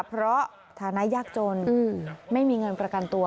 เพราะฐานะยากจนไม่มีเงินประกันตัว